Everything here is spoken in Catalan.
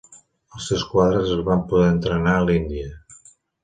Els seus quadres es van poder entrenar a l'Índia.